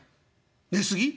「寝過ぎ？」。